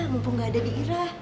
mumpung gak ada di irah